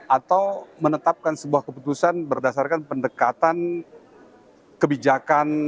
atau menetapkan sebuah keputusan berdasarkan pendekatan kebijakan